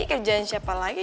kerjaan siapa lagi